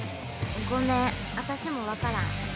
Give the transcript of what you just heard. ごめん私も分からん。